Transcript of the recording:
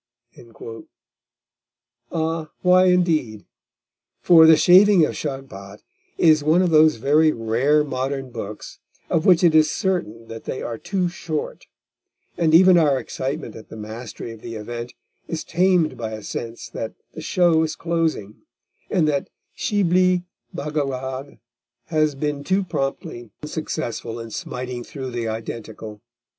_ Ah! why indeed? For The Shaving of Shagpat is one of those very rare modern books of which it is certain that they are too short, and even our excitement at the Mastery of the Event is tamed by a sense that the show is closing, and that Shibli Bagarag has been too promptly successful in smiting through the Identical.